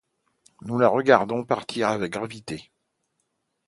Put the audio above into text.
Nous la regardons partir avec gravité.